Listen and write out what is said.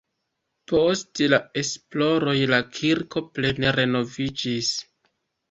Post la esploroj la kirko plene renoviĝis.